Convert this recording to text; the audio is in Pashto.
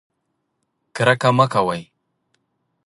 کرکه مه کوئ